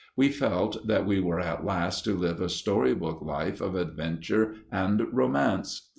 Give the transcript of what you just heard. We felt that we were at last to live a storybook life of adventure and romance.